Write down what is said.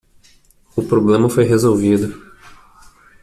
O problema foi resolvido.